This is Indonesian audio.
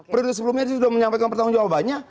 periode sebelumnya dia sudah menyampaikan pertanggungjawabannya